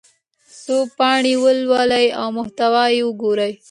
څو پاڼې ولولئ او محتوا یې وګورئ.